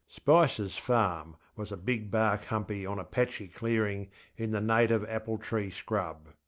ŌĆśSpicerŌĆÖs farmŌĆÖ was a big bark humpy on a patchy clearing in the native apple tree scrub.